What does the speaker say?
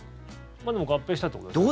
まあ、でも合併したってことですよね。